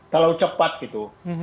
terlalu cepat gitu